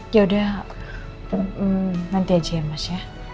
ya udah nanti aja ya mas ya